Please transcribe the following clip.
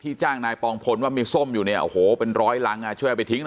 จ้างนายปองพลว่ามีส้มอยู่เนี่ยโอ้โหเป็นร้อยรังช่วยเอาไปทิ้งหน่อย